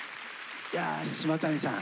いやぁ島谷さん